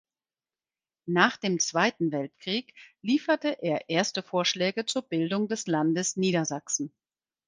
Nach dem Zweiten Weltkrieg lieferte er erste Vorschläge zur Bildung des Landes Niedersachsen.